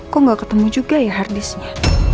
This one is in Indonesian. kok gak ketemu juga ya harddisknya